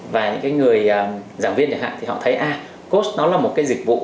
và những cái người giảng viên thì họ thấy à course nó là một cái dịch vụ